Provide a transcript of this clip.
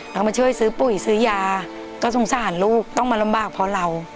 เรามาช่วยซื้อปุ๋ยซื้อยาก็สงสารลูกต้องมาลำบากเพราะเรา